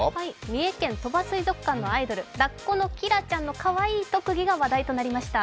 三重県鳥羽水族館のアイドル、ラッコのキラちゃんのかわいい特技が話題となりました。